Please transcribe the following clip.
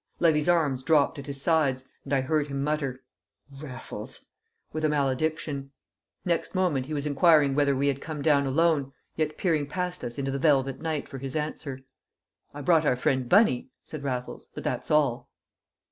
Levy's arms dropped at his sides, and I heard him mutter "Raffles!" with a malediction. Next moment he was inquiring whether we had come down alone, yet peering past us into the velvet night for his answer. "I brought our friend Bunny," said Raffles, "but that's all."